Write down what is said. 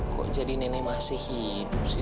kok jadi nenek masih hidup sih